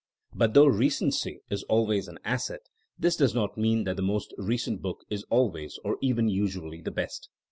But though recency is always 156 THINEINO AS A 80IEN0E an asset, this does not mean that the most recent book is always or even usually the best.